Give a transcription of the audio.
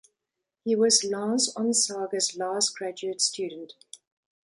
He was Lars Onsager's last graduate student.